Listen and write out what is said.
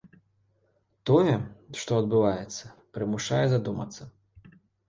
Тое, што адбываецца, прымушае задумацца.